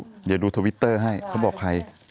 เดี๋ยวดูทวิตเตอร์ให้เขาบอกใคร